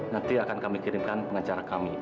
nanti akan kami kirimkan pengacara kami